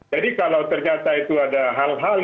jadi kalau ternyata itu ada hal hal